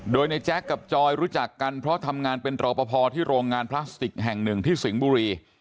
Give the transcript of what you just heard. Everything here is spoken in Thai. โดยในแจ๊คกับจอยรู้จักกันเพราะทำงานเป็นรอปภที่โรงงานพลาสติกแห่งหนึ่งที่สิงห์บุรี